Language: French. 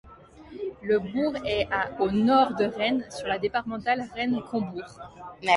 Le bourg est à au nord de Rennes, sur la départementale Rennes-Combourg.